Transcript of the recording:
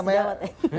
teman sejawat ya